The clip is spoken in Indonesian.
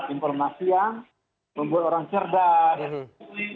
informasi yang membuat orang cerdas